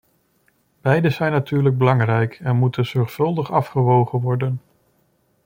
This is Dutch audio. Beide zijn natuurlijk belangrijk en moeten zorgvuldig afgewogen worden.